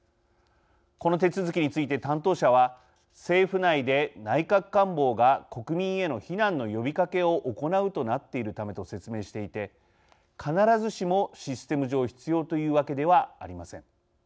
この手続きについて担当者は政府内で内閣官房が国民への避難の呼びかけを行うとなっているためと説明していて、必ずしもシステム上、必要というわけではありません。